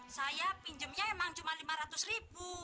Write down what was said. saya pinjamnya emang cuma lima ratus ribu